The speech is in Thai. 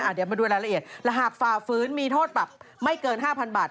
เดี๋ยวมาดูรายละเอียดและหากฝ่าฟื้นมีโทษปรับไม่เกิน๕๐๐บาท